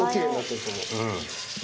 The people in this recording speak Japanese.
うん。